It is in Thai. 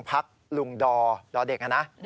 พักทร์ลุงดอเด็กหนะ